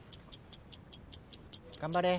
頑張れ。